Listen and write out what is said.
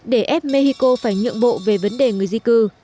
để ép mexico phải nhượng bộ về vấn đề người di cư